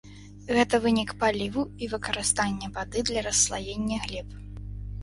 Гэта вынік паліву і выкарыстання вады для расслаення глеб.